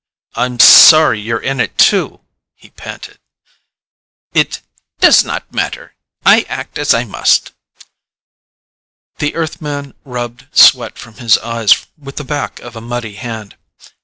"I'm sorry you're in it, too," he panted. "It does not matter. I act as I must." The Earthman rubbed sweat from his eyes with the back of a muddy hand.